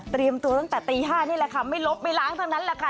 ตัวตั้งแต่ตี๕นี่แหละค่ะไม่ลบไม่ล้างเท่านั้นแหละค่ะ